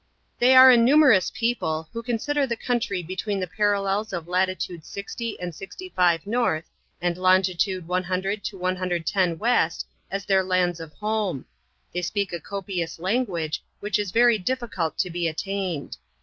They are a numerous people, who consider the country be tween the parallels of latitude 60 and 65 north, and longi tude 100 to 110 west, as their lands of home. They speak a copious language, which is very difficult to be attained.